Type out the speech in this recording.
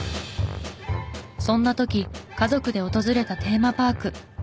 そんな時家族で訪れたテーマパーク。